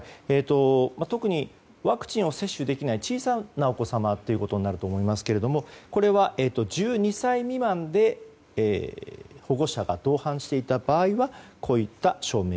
特にワクチンを接種できない小さなお子様になるかと思いますけれどもこれは１２歳未満で保護者が同伴していた場合はこういった証明